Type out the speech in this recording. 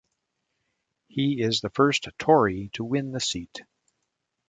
He is the first Tory to win the seat.